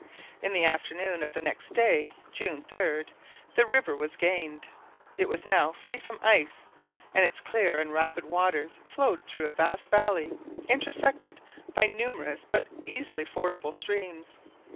In the afternoon of the next day, June 3d, the river was gained. It was now free from ice, and its clear and rapid waters flowed through a vast valley, intersected by numerous but easily fordable streams.